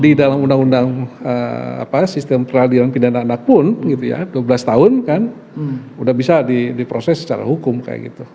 di dalam undang undang sistem peradilan pidana anak pun gitu ya dua belas tahun kan udah bisa diproses secara hukum kayak gitu